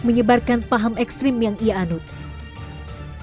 menjelaskan kebanyakan hal hal yang terjadi di dunia